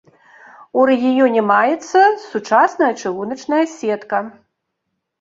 У рэгіёне маецца сучасная чыгуначная сетка.